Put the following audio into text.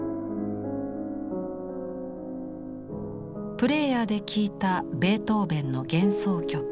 プレーヤーで聴いたベートーベンの幻想曲「月光」。